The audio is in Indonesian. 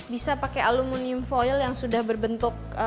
bisa pakai aluminium foil yang sudah berbentuk